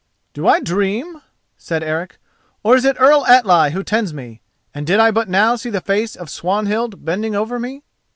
"Do I dream?" said Eric, "or is it Earl Atli who tends me, and did I but now see the face of Swanhild bending over me?"